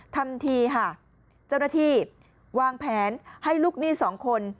ทำทีค่ะเจ้าหน้าที่วางแผนให้ลูกหนี้สองคน